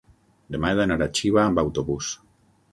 Demà he d'anar a Xiva amb autobús.